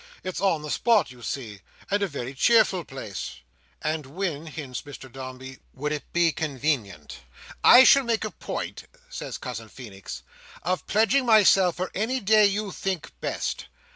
"It's on the spot, you see, and a very cheerful place." "And when," hints Mr Dombey, "would it be convenient?" "I shall make a point," says Cousin Feenix, "of pledging myself for any day you think best.